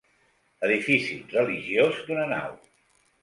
Edifici religiós d'una nau.